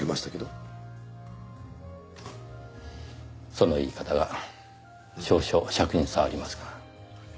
その言い方が少々癪に障りますが。